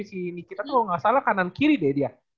si nikitan kalau nggak salah kanan kiri deh dia